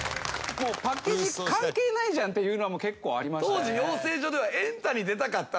もうパッケージ関係ないじゃんっていうのは結構ありましたよね。